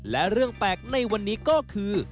และเรื่องแปลกในวันนี้ก็คือ